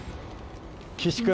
岸君。